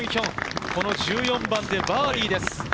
１４番でバーディーです。